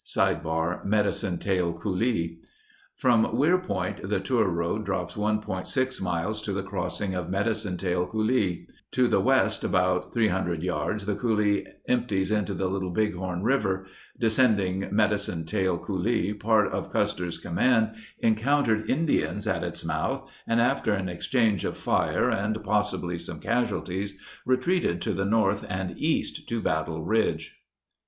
© Medicine Tail Coulee From Weir Point the tour road drops 1.6 miles to the crossing of Medicine Tail Coulee. To the west about 300 yards the coulee empties into the Little Bighorn River. Descending Medicine Tail Coulee, part of Custer's command encountered In dians at its mouth and, after an exchange of fire and possibly some casualties, retreated to the north and east to Battle Ridge.